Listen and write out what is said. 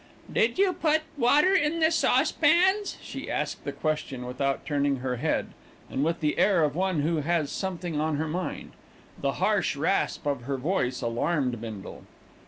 "Did you put water in the saucepans?" She asked the question without turning her head, and with the air of one who has something on her mind. The harsh rasp of her voice alarmed Bindle.